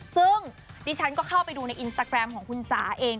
ซึ่งดิฉันก็เข้าไปดูในอินสตาแกรมของคุณจ๋าเอง